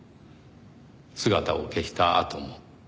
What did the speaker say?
姿を消したあとも。